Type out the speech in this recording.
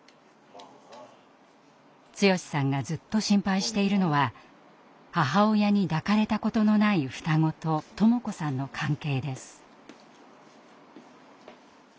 剛さんがずっと心配しているのは母親に抱かれたことのない双子と智子さんの関係です。